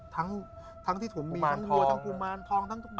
ทั้งที่ถุงมีทั้งกลัวทั้งกูมารทองทั้งทุกอย่าง